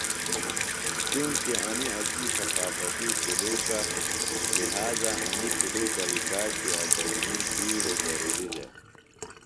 چونکیۡ انیۡ اسی تقافتی شُلوکہ لہٰذا انیۡ شُلوکہ ریکارڈ کیۡ اٹئنی بیڈوۡ ضروریۡ دےۡ